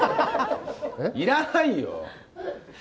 いらないよ。